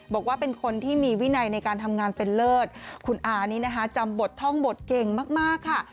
บอกว่าเป็นคนที่มีวินัยในการทำงานเป็นเลิศคุณอานี่นะคะจำบทท่องบทเก่งมากค่ะ